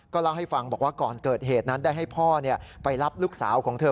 เล่าให้ฟังบอกว่าก่อนเกิดเหตุนั้นได้ให้พ่อไปรับลูกสาวของเธอ